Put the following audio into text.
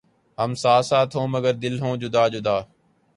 ھم ساتھ ساتھ ہوں مگر دل ہوں جدا جدا